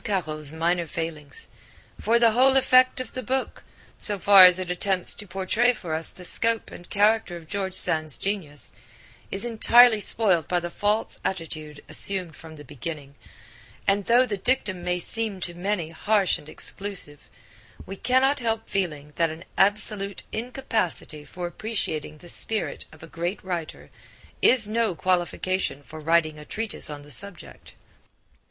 Caro's minor failings, for the whole effect of the book, so far as it attempts to portray for us the scope and character of George Sand's genius, is entirely spoiled by the false attitude assumed from the beginning, and though the dictum may seem to many harsh and exclusive, we cannot help feeling that an absolute incapacity for appreciating the spirit of a great writer is no qualification for writing a treatise on the subject.